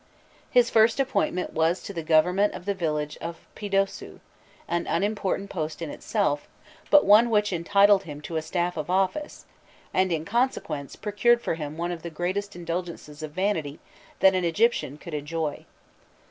His first appointment was to the government of the village of Pidosû, an unimportant post in itself, but one which entitled him to a staff of office, and in consequence procured for him one of the greatest indulgences of vanity that an Egyptian could enjoy.